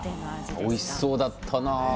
おいしそうだったな。